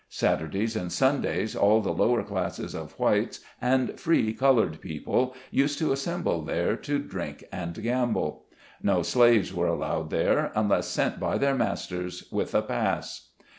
Sat urdays and Sundays, all the lower class of whites and free colored people used to assemble there, to drink and gamble. No slaves were allowed there, unless sent by their masters, with a pass.